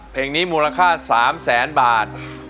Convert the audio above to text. เพลงนี้มูลค่า๓แสนบาท